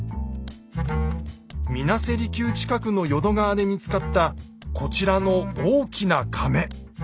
水無瀬離宮近くの淀川で見つかったこちらの大きな甕。